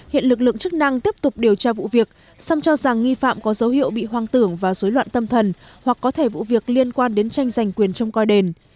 hiện lực lượng chức năng tiếp tục điều tra vụ việc xong cho rằng nghi phạm có dấu hiệu bị hoang tưởng và dối loạn tâm thần hoặc có thể vụ việc liên quan đến tranh giành quyền trong coi đền